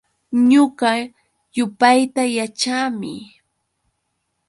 Ñuqa yupayta yaćhaami.